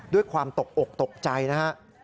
ด้วยความตกอกตกใจนะครับ